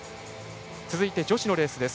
続いて、女子のレースです。